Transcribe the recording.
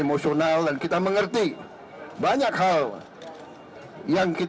emosional kita mengerti banyak hal yang begini